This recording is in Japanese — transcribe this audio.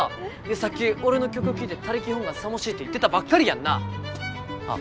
さっき俺の曲聴いて他力本願さもしいって言ってたばっかりやんなああっ